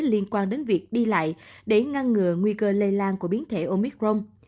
liên quan đến việc đi lại để ngăn ngừa nguy cơ lây lan của biến thể omicron